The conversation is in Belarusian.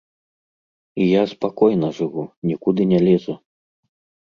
І я спакойна жыву, нікуды не лезу.